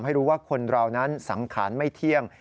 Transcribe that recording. ให้รู้ว่าคนเรานั้นสังขารไม่เที่ยง